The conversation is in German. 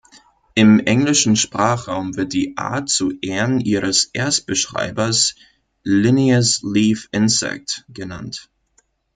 Im englischen Sprachraum wird die Art zu Ehren ihres Erstbeschreibers „Linnaeus' Leaf Insect“ genannt.